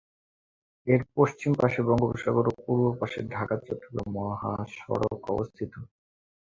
এর পশ্চিম পাশে বঙ্গোপসাগর ও পূর্ব পাশে ঢাকা-চট্টগ্রাম মহাসড়ক অবস্থিত।